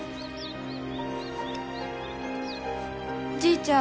じいちゃん。